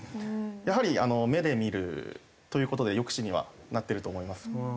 やはり目で見るという事で抑止にはなってると思います。